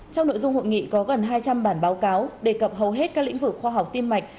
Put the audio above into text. trong nội dung hội nghị có gần hai trăm linh bản báo cáo đề cập hầu hết các lĩnh vực khoa học tim mạch